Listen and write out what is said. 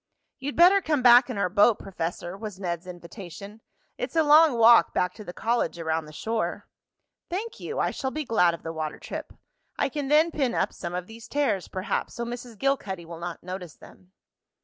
"You'd better come back in our boat, Professor," was Ned's invitation. "It's a long walk back to the college around the shore." "Thank you, I shall be glad of the water trip. I can then pin up some of these tears, perhaps, so Mrs. Gilcuddy will not notice them."